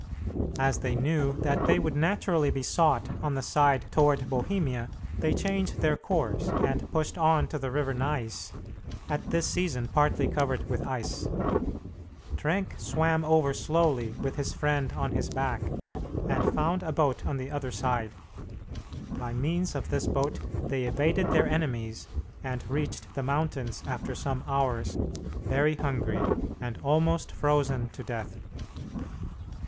As they knew that they would naturally be sought on the side toward Bohemia, they changed their course and pushed on to the river Neiss, at this season partly covered with ice. Trenck swam over slowly with his friend on his back, and found a boat on the other side. By means of this boat they evaded their enemies, and reached the mountains after some hours, very hungry, and almost frozen to death.